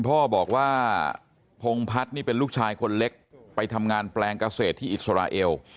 พ่อบอกว่าพงพัฒน์นี่เป็นลูกชายคนเล็กไปทำงานแปลงเกษตรที่อิสราเอล